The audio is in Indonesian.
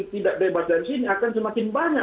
tidak bebas dari sini akan semakin banyak